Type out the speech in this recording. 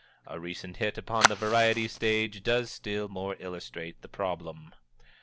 A recent hit upon the variety stage does still more to illustrate the problem.